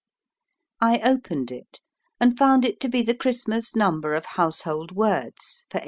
I opened it, and found it to be the Christmas number of Household Words for 1854.